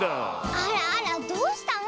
あらあらどうしたの？